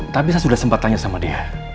tapi saya sudah sempat tanya sama dia